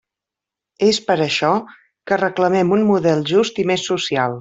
És per això que reclamem un model just i més social.